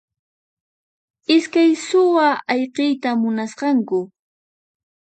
Iskay suwa ayqiyta munasqaku.